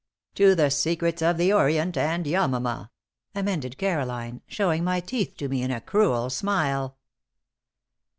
"To the secrets of the Orient and Yamama!" amended Caroline, showing my teeth to me in a cruel smile.